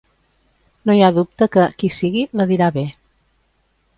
No hi ha dubte que, qui sigui, la dirà bé.